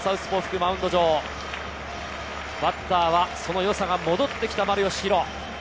マウンド上、バッターはそのよさが戻ってきた丸佳浩。